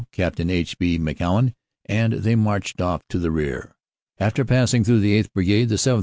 Capt. H. B. McEwan, and they marched off to the rear. After passing through the 8th. Brigade, the 7th.